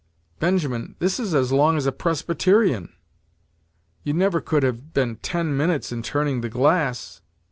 "Benjamin, this is as long as a Presbyterian; you never could have been ten minutes in turning the glass!"